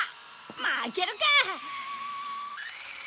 負けるか！